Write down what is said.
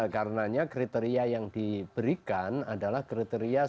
karena kriteria yang diberikan adalah kriteria sempurna